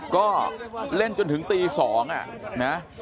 ก็เล่นจนถึงตี๒นะ